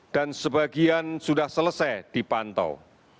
dan sebagian sudah selesai dipantau